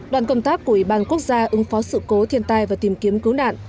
đoàn công tác của ủy ban quốc gia ứng phó sự cố thiên tai và tìm kiếm cứu nạn